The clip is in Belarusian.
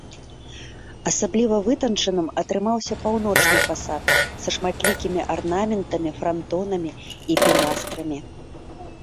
Асабліва вытанчаным атрымаўся паўночны фасад са шматлікімі арнаментамі, франтонамі і пілястрамі.